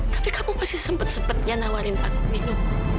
tapi kamu pasti sempat sempatnya nawarin aku nino